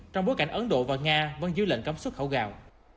trong bối cảnh ấn độ và nga vẫn dưới lệnh cấm xuất khẩu gạo